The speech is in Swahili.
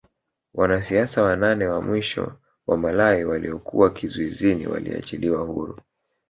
Wanasiasa wanane wa mwisho wa Malawi waliokuwa kizuizini waliachiliwa huru